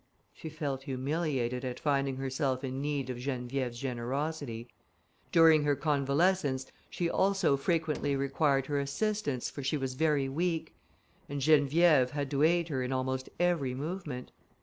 She felt humiliated at finding herself in need of Geneviève's generosity. During her convalescence, she also frequently required her assistance, for she was very weak, and Geneviève had to aid her in almost every movement.